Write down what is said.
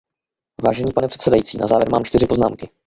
Vážený pane předsedající, na závěr mám čtyři poznámky.